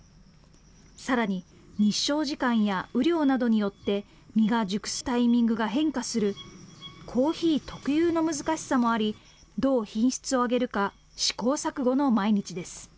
さらに日照時間や雨量などによって実が熟すタイミングが変化するコーヒー特有の難しさもあり、どう品質を上げるか、試行錯誤の毎日です。